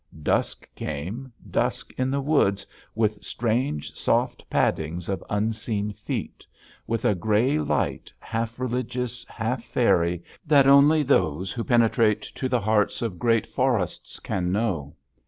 Dusk came, dusk in the woods, with strange soft paddings of unseen feet, with a gray light half religious, half faëry, that only those who penetrate to the hearts of great forests can know.